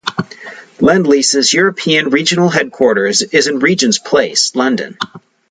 Lendlease's European Regional Headquarters is in Regent's Place, London.